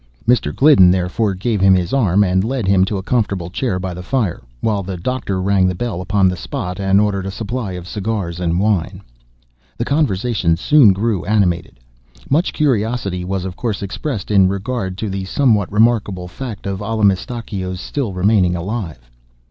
Mr. Gliddon, therefore, gave him his arm, and led him to a comfortable chair by the fire, while the Doctor rang the bell upon the spot and ordered a supply of cigars and wine. The conversation soon grew animated. Much curiosity was, of course, expressed in regard to the somewhat remarkable fact of Allamistakeo's still remaining alive.